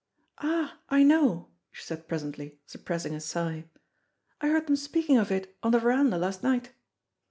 "Ah! I know," she said presently, suppressing a sigh. "I heard them speaking of it on the verandah last night."